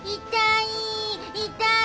痛い！